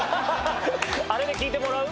あれで聞いてもらう？